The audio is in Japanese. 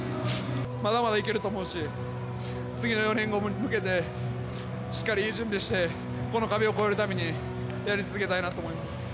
まだまだいけると思うし、次の４年後に向けて、しっかり準備して、この壁を越えるために、やり続けたいなと思います。